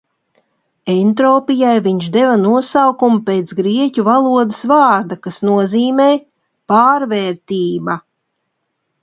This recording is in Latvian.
"Entropijai viņš deva nosaukumu pēc grieķu valodas vārda, kas nozīmē "pārvērtība"."